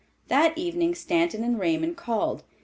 That evening Stanton and Raymond called.